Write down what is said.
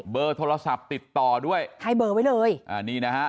เบอร์โทรศัพท์ติดต่อด้วยให้เบอร์ไว้เลยอ่านี่นะฮะ